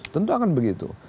tentu akan begitu